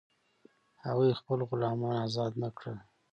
هغوی خپل غلامان آزاد نه کړل.